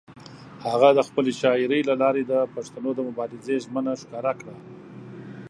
هغه د خپلې شاعرۍ له لارې د پښتنو د مبارزې ژمنه ښکاره کړه.